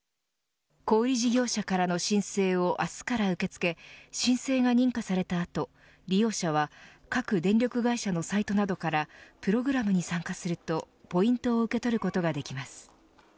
小売り事業者からの申請を明日から受け付け申請が認可された後利用者は各電力会社のサイトなどからプログラムに参加するとポイントを受け取ることができます。